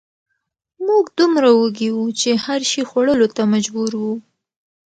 موږ دومره وږي وو چې هر شي خوړلو ته مجبور وو